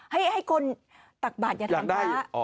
ให้คนตักบาทอย่าทำพระ